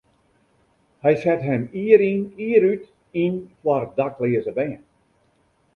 Hy set him jier yn jier út yn foar dakleaze bern.